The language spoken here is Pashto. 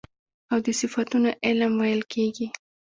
او د صفتونو علم ويل کېږي .